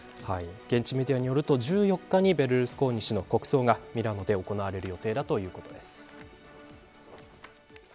現地メディアによると１４日にベルルスコーニ氏の国葬がミラノで行われる予定だということです。